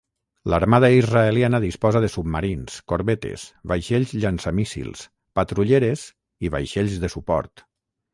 L'Armada israeliana disposa de submarins, corbetes, vaixells llançamíssils, patrulleres, i vaixells de suport.